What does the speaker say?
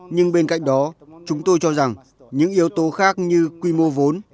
nhưng bên cạnh đó chúng tôi cho rằng những yếu tố khác như quy mô vốn